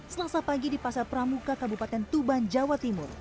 selasa pagi di pasar pramuka kabupaten tuban jawa timur